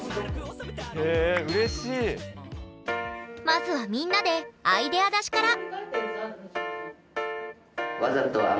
まずはみんなでアイデア出しから！